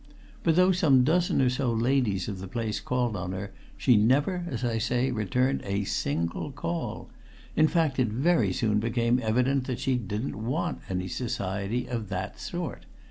But, though some dozen or so ladies of the place called on her, she never, as I say, returned a single call; in fact, it very soon became evident that she didn't want any society of that sort.